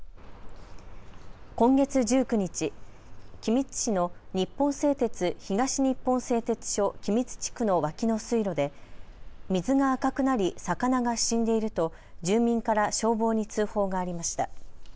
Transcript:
今月１９日、君津市の日本製鉄東日本製鉄所君津地区の脇の水路で水が赤くなり魚が死んでいると住民から消防に通報がありました。